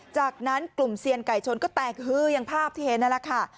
จากนั้นกลุ่มเซียนไก่ชนก็แตกฮืออย่างภาพที่เห็นนั่นแหละค่ะ